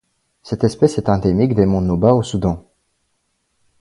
Cette espèce est endémique des monts Nouba au Soudan.